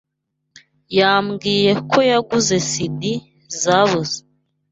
Yambwiye ko yaguze CD zabuze.